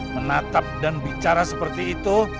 menatap dan bicara seperti itu